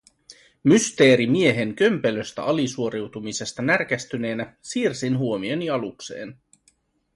Mysteerimiehen kömpelöstä alisuoriutumisesta närkästyneenä siirsin huomioni alukseen.